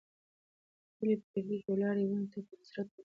هیلې په کړکۍ کې ولاړې ونې ته په حسرت وکتل.